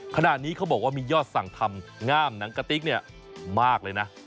ขณะนี้เขาบอกว่ามียอดสั่งทำง่ามหนังกะติ๊กเนี่ยมากเลยนะ